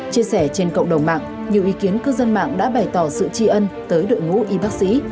chia sẻ trên cộng đồng mạng nhiều ý kiến cư dân mạng đã bày tỏ sự tri ân tới đội ngũ y bác sĩ